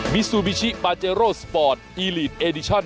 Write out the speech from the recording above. ซูบิชิปาเจโรสปอร์ตอีลีดเอดิชั่น